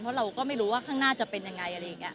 เพราะเราก็ไม่รู้ว่าข้างหน้าจะเป็นยังไงอะไรอย่างนี้